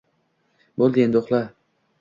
Bo‘ldi, endi uxla.